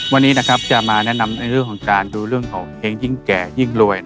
วันนี้นะครับจะมาแนะนำในเรื่องของการดูเรื่องของเพลงยิ่งแก่ยิ่งรวย